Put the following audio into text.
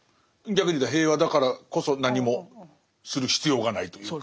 逆にいうと平和だからこそ何もする必要がないというか。